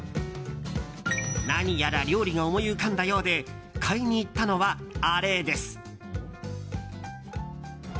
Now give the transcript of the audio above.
何やら料理が思い浮かんだようで買いに行ったのは、あれです。